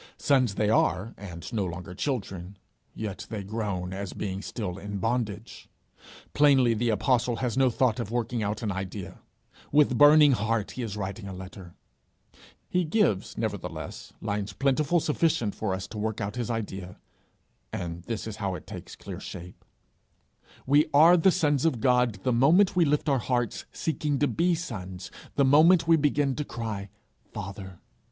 Sons they are and no longer children, yet they groan as being still in bondage! Plainly the apostle has no thought of working out an idea; with burning heart he is writing a letter: he gives, nevertheless, lines plentifully sufficient for us to work out his idea, and this is how it takes clear shape: We are the sons of God the moment we lift up our hearts, seeking to be sons the moment we begin to cry Father.